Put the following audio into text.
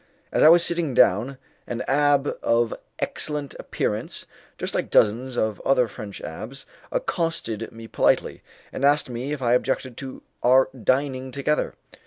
As I was sitting down, an abbé of excellent appearance, just like dozens of other French abbés, accosted me politely, and asked me if I objected to our dining together.